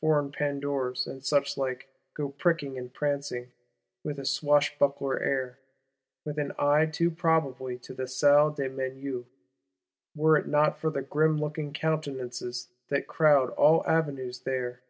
Foreign Pandours, and suchlike, go pricking and prancing, with a swashbuckler air; with an eye too probably to the Salle des Menus,—were it not for the "grim looking countenances" that crowd all avenues there.